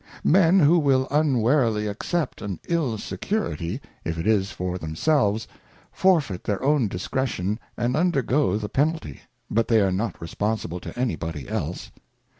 Men who will unwarily accept an ill security, if it is for themselves, forfeit their own discretion^ and undergo the Penalty, but they are not responsible to any body else.